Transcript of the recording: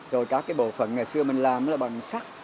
rồi các cái bộ phận ngày xưa mình làm là bằng sắc